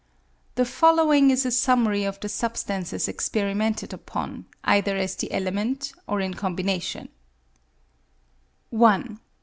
The following is a summary of the substances experi mented upon, either as the element or in combination :— 1.